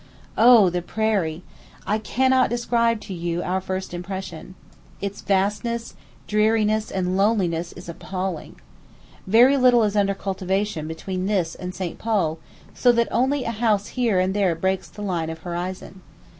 O the prairie! I cannot describe to you our first impression. Its vastness, dreariness, and loneliness is appalling. Very little is under cultivation between this and St. Paul, so that only a house here and there breaks the line of horizon.